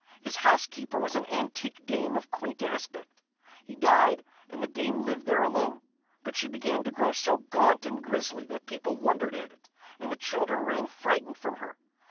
His housekeeper was an antique dame of quaint aspect. He died, and the dame lived there alone; but she began to grow so gaunt and grizzly that people wondered at it, and the children ran frightened from her.